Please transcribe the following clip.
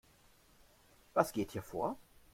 Was geht hier vor?